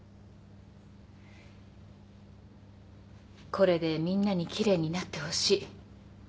これでみんなに奇麗になってほしい。